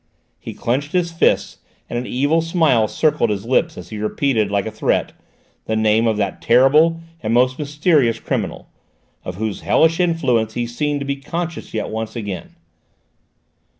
He clenched his fists and an evil smile curled his lips as he repeated, like a threat, the name of that terrible and most mysterious criminal, of whose hellish influence he seemed to be conscious yet once again.